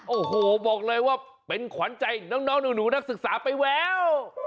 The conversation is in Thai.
โอ้โหบอกเลยว่าเป็นขวัญใจน้องหนูนักศึกษาไปแล้ว